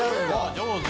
上手！